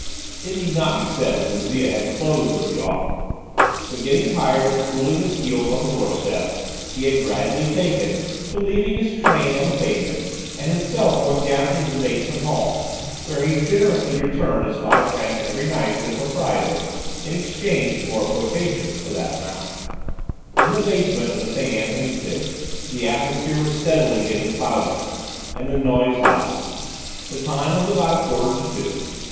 It need not be said that Bouzille had closed with the offer. But getting tired of cooling his heels on the doorstep, he had gradually taken to leaving his train on the pavement and himself going down into the basement hall, where he generously returned his five francs every night to the proprietor, in exchange for potations to that amount. In the basement of the Saint Anthony's Pig the atmosphere was steadily getting cloudier, and the noise louder. The time was about a quarter to two.